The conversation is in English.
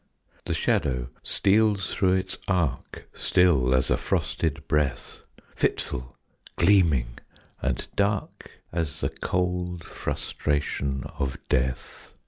The shadow steals through its arc, Still as a frosted breath, Fitful, gleaming, and dark As the cold frustration of death.